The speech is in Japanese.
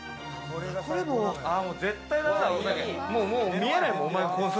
もう見えないもん。